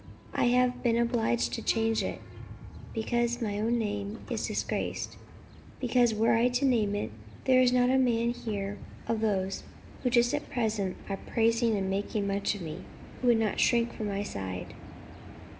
I have been obliged to change it, because my own name is disgraced; because, were I to name it, there is not a man here of those who just at present are praising and making much of me, who would not shrink from my side."